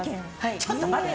ちょっと待って。